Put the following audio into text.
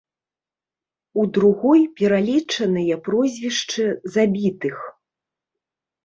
У другой пералічаныя прозвішчы забітых.